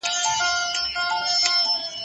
د کور تشناب کې صابون ولرئ.